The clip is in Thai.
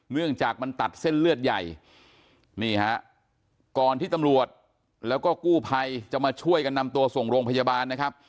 เนื่องจากมันตัดเส้นเลือดใหญ่นี่ฮะก่อนที่ตำรวจแล้วก็กู้ภัยจะมาช่วยกันนำตัวส่งโรงพยาบาลนะครับ